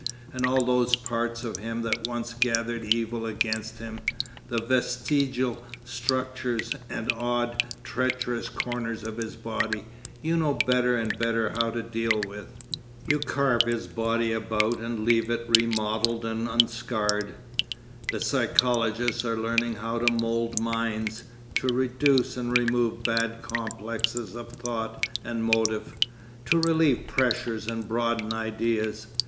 And all those parts of him that once gathered evil against him, the vestigial structures and odd, treacherous corners of his body, you know better and better how to deal with. You carve his body about and leave it re modelled and unscarred. The psychologists are learning how to mould minds, to reduce and remove bad complexes of thought and motive, to relieve pressures and broaden ideas.